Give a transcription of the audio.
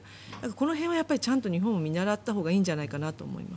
この辺はちゃんと日本も見習ったほうがいいんじゃないかと思います。